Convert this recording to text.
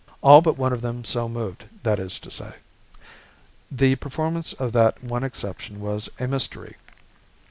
All but one of them so moved, that is to say. The performance of that one exception was a mystery.